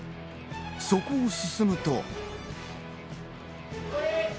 そこを進むと。